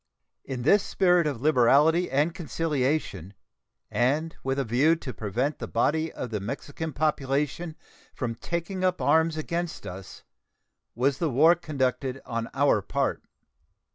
In this spirit of liberality and conciliation, and with a view to prevent the body of the Mexican population from taking up arms against us, was the war conducted on our part.